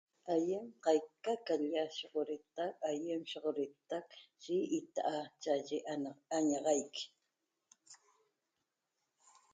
Aýem qaica qa l'lia ioxogrataq naga aýem ioxogrataq eye itaa'eye añaxaiq